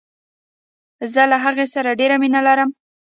زه له هغې سره ډیره مینه لرم.